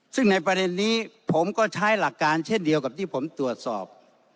ซึ่งในประเด็นนี้ผมก็ใช้หลักการเช่นเดียวกับที่ผมตรวจสอบ